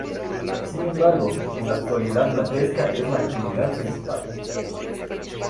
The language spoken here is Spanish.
Sin embargo, en la actualidad la pesca es la actividad principal.